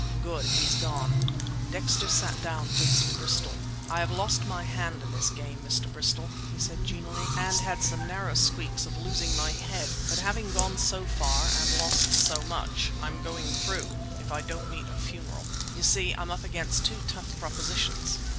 "Good; he's gone!" Dexter sat down facing Bristol. "I have lost my hand in this game, Mr. Bristol," he said genially, "and had some narrow squeaks of losing my head; but having gone so far and lost so much I'm going through, if I don't meet a funeral! You see I'm up against two tough propositions."